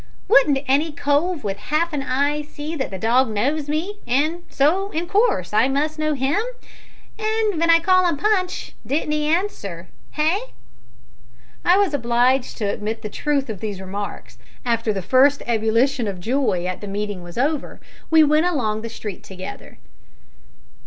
Wouldn't any cove with half an eye see that the dog knows me, an' so, in course, I must know him? An' ven I called 'im Punch didn't he answer? hey?" I was obliged to admit the truth of these remarks. After the first ebullition of joy at the meeting was over, we went along the street together.